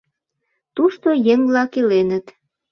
Тушто еҥ-влак иленыт.